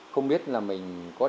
không biết là mình có đảm